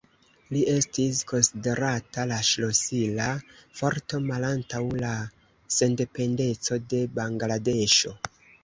Li estis konsiderata la ŝlosila forto malantaŭ la sendependeco de Bangladeŝo.